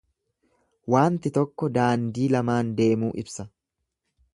Waanti tokko daandii lamaan deemuu ibsa.